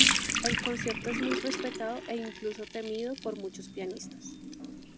El concierto es muy respetado e incluso temido por muchos pianistas.